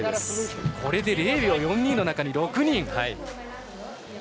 これで０秒４２の中に６人。